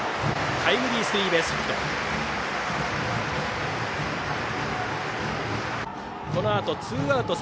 タイムリースリーベースヒット。